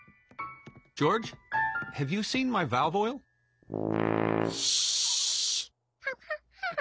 シ。ハハハ。